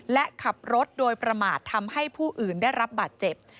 และขับรถโดยประมาททำให้ผู้อื่นได้รับบาดเจ็บ